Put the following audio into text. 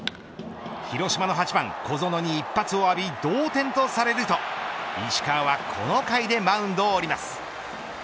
広島の８番小園に一発を浴び同点とされると石川はこの回でマウンドを降ります。